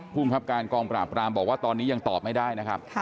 ภูมิครับการกองปราบรามบอกว่าตอนนี้ยังตอบไม่ได้นะครับ